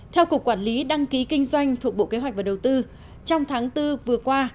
theo cục quản lý đăng ký kinh doanh thuộc bộ kế hoạch và đầu tư trong tháng bốn vừa qua